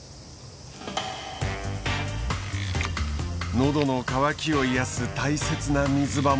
喉の乾きを癒やす大切な水場も。